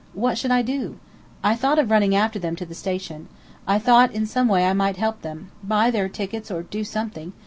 What should I do? I thought of running after them to the station. I thought in some way I might help them buy their tickets or do something.